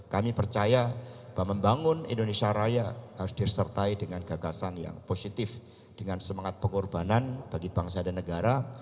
kami percaya bahwa membangun indonesia raya harus disertai dengan gagasan yang positif dengan semangat pengorbanan bagi bangsa dan negara